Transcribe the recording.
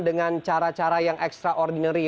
dengan cara cara yang ekstra ordinary